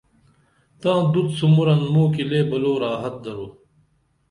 تاں دُت سُمُرن موں کی لے بلو راحت درو